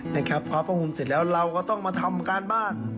นะครับพอพระหุมเสร็จแล้วเราก็ต้องมาทำการบ้าน